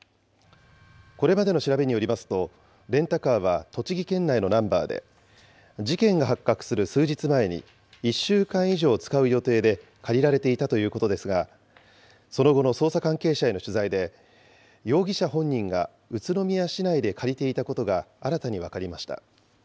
これまでの調べによりますと、レンタカーは栃木県内のナンバーで、事件が発覚する数日前に、１週間以上使う予定で借りられていたということですが、その後の捜査関係者への取材で、容疑者本人が宇都宮市内で借りていたことが新たに分かりました。